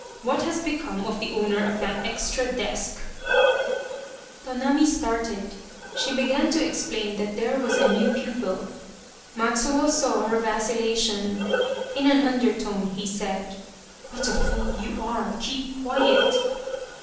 What has become of the owner of that extra desk ?" Tonami started. She began to explain that there was a new pupil. Matsuo saw her vacillation. In an undertone, he said :" What a fool you are ! Keep quiet